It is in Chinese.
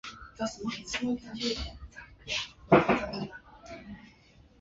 格罗沙语是一种基于语义的国际辅助语。